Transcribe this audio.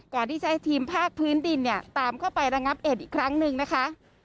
ที่ใช้ทีมภาคพื้นดินเนี่ยตามเข้าไประงับเหตุอีกครั้งหนึ่งนะคะ